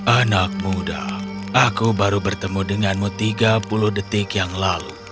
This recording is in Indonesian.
anak muda aku baru bertemu denganmu tiga puluh detik yang lalu